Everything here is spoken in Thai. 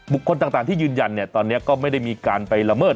ต่างที่ยืนยันเนี่ยตอนนี้ก็ไม่ได้มีการไปละเมิด